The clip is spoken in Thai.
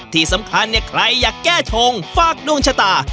ที่สำคัญใครอยากแก้ธงฟากนุ่งชะตา